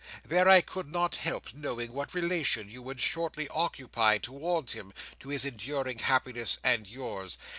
There I could not help knowing what relation you would shortly occupy towards him—to his enduring happiness and yours.